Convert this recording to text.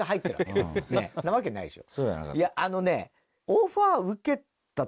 いやあのね。